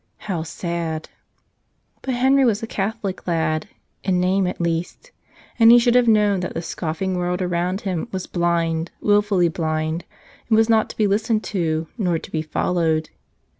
How sad! But Henry was a Catholic lad, in name at least. And he should have known that the scoffing world around him was blind, wilfully blind, and was not to be listened to, nor to be followed.